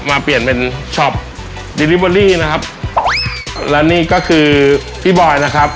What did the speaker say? มาเปลี่ยนเป็นช็อปดิลิเบอรี่นะครับและนี่ก็คือพี่บอยนะครับ